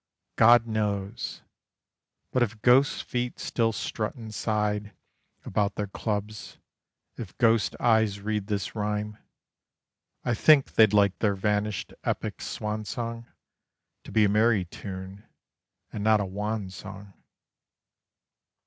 God knows! But if ghost feet still strut and side About their clubs, if ghost eyes read this rhyme, I think they'd like their vanished epoch's swan song To be a merry tune, and not a wan song.